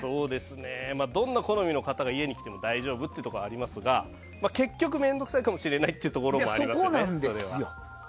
どんな好みの方が家に来ても大丈夫というところがありますが結局、面倒くさいかもしれないってところもあるかもしれないですね。